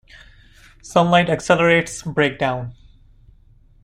Sunlight accelerates breakdown.